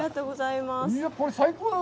これ最高だな。